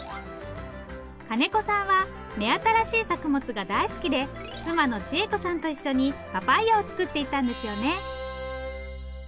金子さんは目新しい作物が大好きで妻の智恵子さんと一緒にパパイヤを作っていたんですよね。